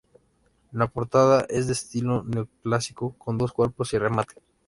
La portada es de estilo neoclásico, con dos cuerpos y remate.